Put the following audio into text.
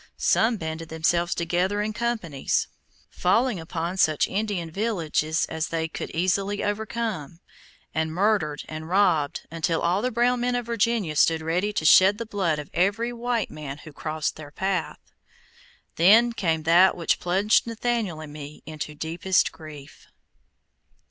Some banded themselves together in companies, falling upon such Indian villages as they could easily overcome, and murdered and robbed until all the brown men of Virginia stood ready to shed the blood of every white man who crossed their path. Then came that which plunged Nathaniel and me into deepest grief.